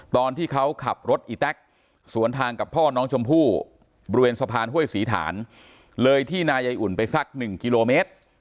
ตอนที่เขาขับรถอีแต๊กสวนทางกับพ่อน้องชมพู่บริเวณสะพานห้วยศรีฐานเลยที่นายายอุ่นไปสักหนึ่งกิโลเมตร